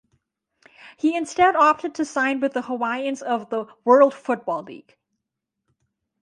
He instead opted to sign with The Hawaiians of the World Football League.